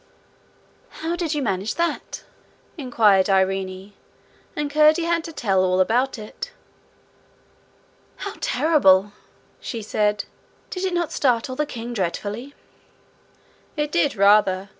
'How did you manage that?' inquired Irene; and Curdie had to tell all about it. 'How terrible!' she said. 'Did it not startle the king dreadfully?' 'It did rather.